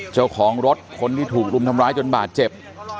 เจ้าของรถคนที่ถูกรุมทำร้ายจนบาดเจ็บ